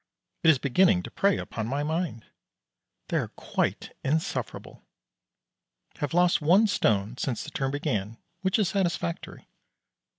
It is beginning to prey upon my mind. They are quite insufferable. Have lost one stone since the term began, which is satisfactory.